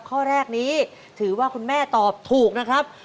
ข้อแรกนี้ถือว่าคุณแม่ตอบถูกนะครับ